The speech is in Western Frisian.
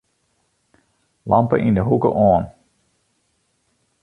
Lampe yn 'e hoeke oan.